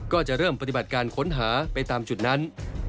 ก็จะเริ่มปฏิบัติการค้นหาไปตามจุดนั้น